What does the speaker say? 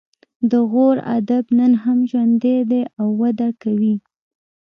د غور ادب نن هم ژوندی دی او وده کوي